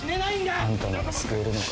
あんたなら救えるのか？